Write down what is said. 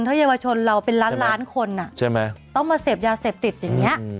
ถ้าเยี่ยมว่าชนเราเป็นล้านคนอ่ะใช่ไหมต้องมาเสพยาเสพติดอย่างเนี้ย